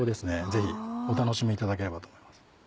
ぜひお楽しみいただければと思います。